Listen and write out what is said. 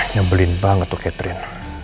nyebelin banget tuh catherine